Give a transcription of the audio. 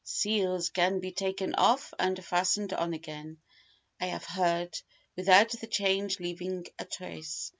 "Seals can be taken off and fastened on again, I have heard, without the change leaving a trace.